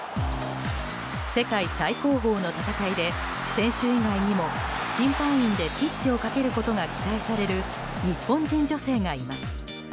世界最高峰の戦いで選手以外にも審判員でピッチを駆けることが期待される日本人女性がいます。